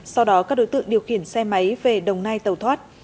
sau đó các đối tượng điều khiển xe máy về đồng nai tàu thoát